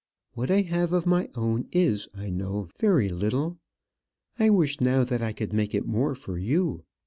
What I have of my own is, I know, very little. I wish now that I could make it more for you.